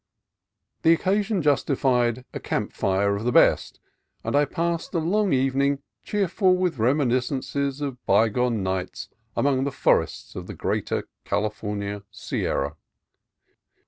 The occasion justified a camp fire of the best, and I passed a long evening cheerful with reminis cences of bygone nights among the forests of the greater California Sierra.